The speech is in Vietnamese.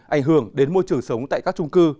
ảnh hưởng đến môi trường sống tại các trung cư